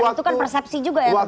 itu kan persepsi juga ya